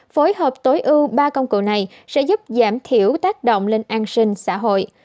phối hợp tối ưu ba công cụ này sẽ giúp giảm thiểu tác động lên an sinh xã hội